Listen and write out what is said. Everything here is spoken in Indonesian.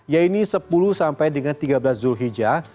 yaitu sepuluh sampai dengan tiga belas zulhijjah